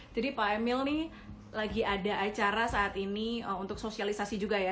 jadi pak emil nih lagi ada acara saat ini untuk sosialisasi juga ya